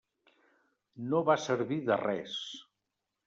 No va servir de res.